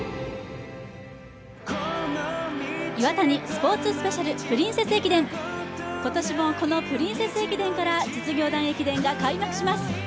Ｉｗａｔａｎｉスポーツスペシャル・プリンセス駅伝、今年もこのプリンセス駅伝から実業団駅伝が開幕します。